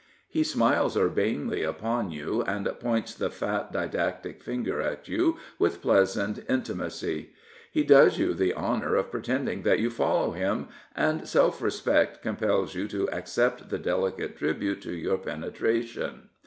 He smiles urbanely upon you, and points the fat didactic finger at you with pleasant intimacy. He does you the honour of pretending that you follow him, and self respect compels you to accept the delicate tribute to your penetration.